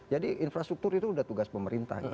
jadi infrastruktur itu udah tugas pemerintah